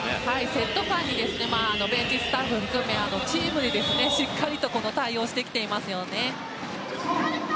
セット間にベンチスタッフ含めチームでしっかりと対応してきていますよね。